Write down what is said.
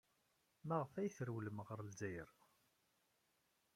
Maɣef ay trewlem ɣer Lezzayer?